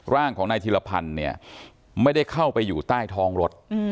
ร่างของนายธิรพันธ์เนี่ยไม่ได้เข้าไปอยู่ใต้ท้องรถ